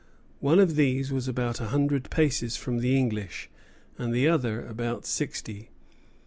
One of these was about a hundred paces from the English, and the other about sixty.